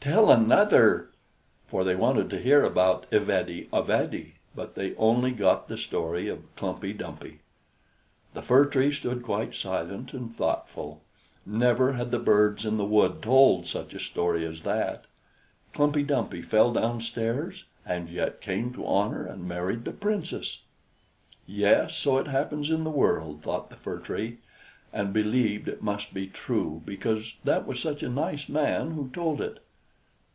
tell another!" for they wanted to hear about Ivede Avede; but they only got the story of Klumpey Dumpey. The Fir Tree stood quite silent and thoughtful; never had the birds in the wood told such a story as that. Klumpey Dumpey fell downstairs and yet came to honor and married the Princess! "Yes, so it happens in the world!" thought the Fir Tree, and believed it must be true, because that was such a nice man who told it.